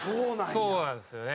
そうなんですよね。